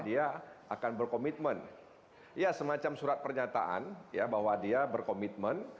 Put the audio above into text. dia akan berkomitmen ya semacam surat pernyataan ya bahwa dia berkomitmen